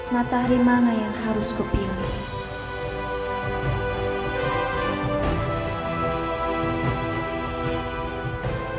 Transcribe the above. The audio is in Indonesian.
matahari mana yang harus kupingin